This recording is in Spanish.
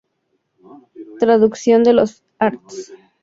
Traducción de los Arts.